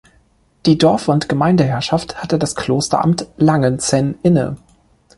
Die Dorf- und Gemeindeherrschaft hatte das Klosteramt Langenzenn inne.